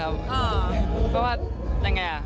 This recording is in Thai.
เพราะว่าอย่างไรอ่ะ